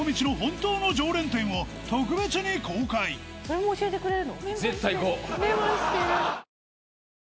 それも教えてくれるの？